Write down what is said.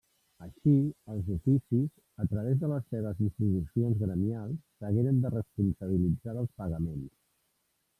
Així els oficis, a través de les seves institucions gremials, s'hagueren de responsabilitzar dels pagaments.